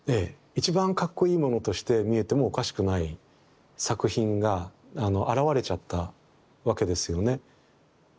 一番かっこいいものとして見えてもおかしくない作品が現れちゃったわけですよね。